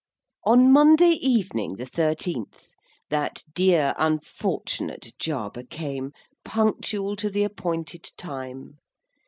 On Monday evening, the thirteenth, that dear unfortunate Jarber came, punctual to the appointed time.